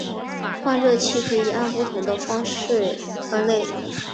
换热器可以按不同的方式分类。